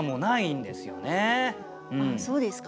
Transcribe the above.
あっそうですか。